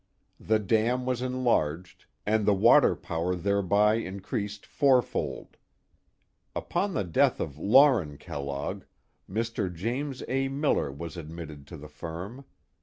The dam was enlarged. ! and the water power thereby increased fourfold. Upon the I death of Lauren Kellogg, Mr. James A. Miller was admitted I to the firm.